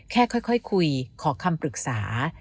ค่อยคุยขอคำปรึกษา